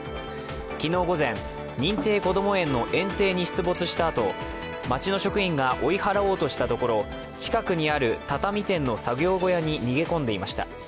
昨日午前、認定こども園の園庭に出没したあと、町の職員が追い払おうとしたところ近くにある畳店の作業小屋に逃げ込んでいました。